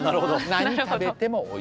何食べてもおいしい。